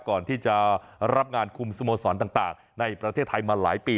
ก่อนที่จะรับงานคุมสโมสรต่างในประเทศไทยมาหลายปี